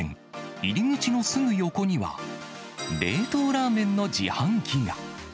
入り口のすぐ横には、冷凍ラーメンの自販機が。